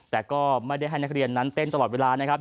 แต่ก็ไม่ได้ให้นักเรียนนั้นเต้นตลอดเวลานะครับ